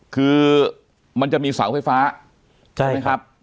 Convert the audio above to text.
คือมันจะมีเสาไฟฟ้าใช่ไหมครับ